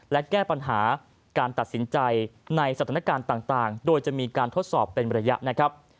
และแก้ปัญหาการตัดสินใจในสถานการณ์ต่างโดยจะมีการทดสอบเป็นระยะนะครับ